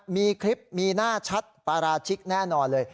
มีคลิปมีหน้าชัดปราชิกแน่นอนเลย